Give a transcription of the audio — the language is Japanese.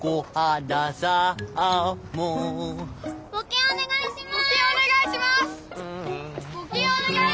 募金お願いします！